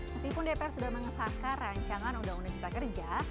meskipun dpr sudah mengesahkan rancangan undang undang cipta kerja